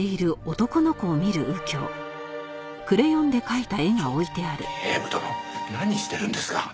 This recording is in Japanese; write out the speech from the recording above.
ちょっと警部殿何してるんですか？